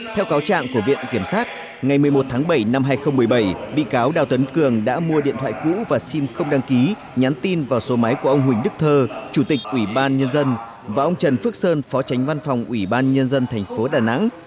theo cáo trạng của viện kiểm sát ngày một mươi một tháng bảy năm hai nghìn một mươi bảy bị cáo đào tấn cường đã mua điện thoại cũ và sim không đăng ký nhắn tin vào số máy của ông huỳnh đức thơ chủ tịch ubnd và ông trần phước sơn phó tránh văn phòng ubnd tp đà nẵng